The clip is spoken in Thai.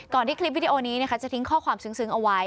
ที่คลิปวิดีโอนี้จะทิ้งข้อความซึ้งเอาไว้